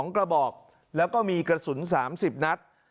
กระบอกแล้วก็มีกระสุน๓๐นัด